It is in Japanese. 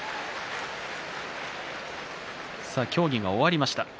協議が終わりました。